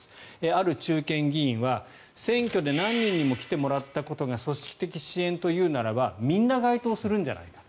ある中堅議員は、選挙で何人にも来てもらったことが組織的支援というならばみんな該当するんじゃないか。